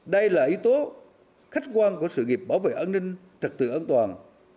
đây là yếu tố khách quan của sự nghiệp bảo vệ an ninh trật tự an toàn